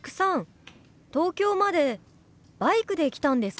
東京までバイクで来たんですか？